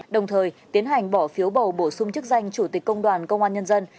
đồng thời tiến hành bỏ phiếu bầu bổ sung chức danh chủ tịch công đoàn công an nhân dân